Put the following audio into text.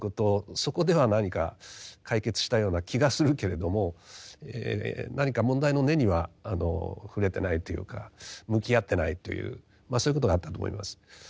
そこでは何か解決したような気がするけれども何か問題の根には触れてないというか向き合ってないというそういうことがあったと思います。